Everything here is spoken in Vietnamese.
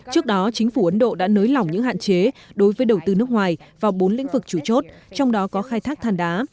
trước đó chính phủ ấn độ đã nới lỏng những hạn chế đối với đầu tư nước ngoài vào bốn lĩnh vực chủ chốt trong đó có khai thác than đá